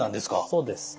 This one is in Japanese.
そうです。